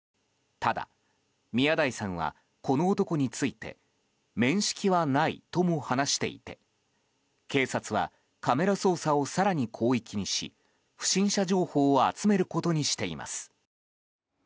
ただ、宮台さんはこの男について面識はないとも話していて警察はカメラ捜査を更に広域にし不審者情報を集めることにしています。